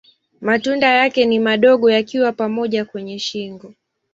Matunda yake ni madogo yakiwa pamoja kwa shingo.